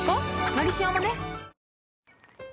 「のりしお」もね